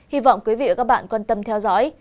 hy vọng quý vị và các bạn quan tâm theo dõi